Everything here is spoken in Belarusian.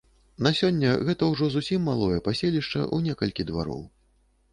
На сёння гэта ўжо зусім малое паселішча ў некалькі двароў.